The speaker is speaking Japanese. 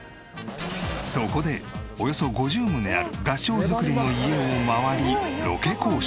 そこでおよそ５０棟ある合掌造りの家を回りロケ交渉。